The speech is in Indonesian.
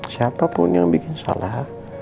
siapapun yang bikin salah